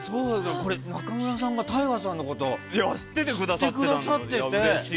中村さんがＴＡＩＧＡさんのことを知ってくださってて。